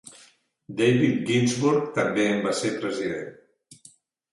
David Ginsburg també en va ser president.